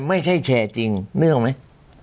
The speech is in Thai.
ไม่ใช่แชร์จริงนึกออกไหม